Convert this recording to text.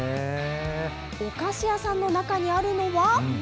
お菓子屋さんの中にあるのは。